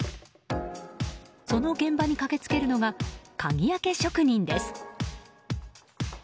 その現場に駆けつけるのが鍵開け職人です。